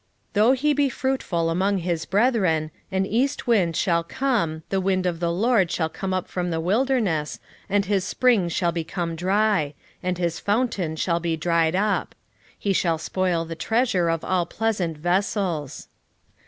13:15 Though he be fruitful among his brethren, an east wind shall come, the wind of the LORD shall come up from the wilderness, and his spring shall become dry, and his fountain shall be dried up: he shall spoil the treasure of all pleasant vessels.